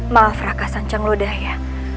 maaf raka sancang lodaya